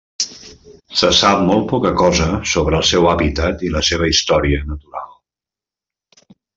Se sap molt poca cosa sobre el seu hàbitat i la seva història natural.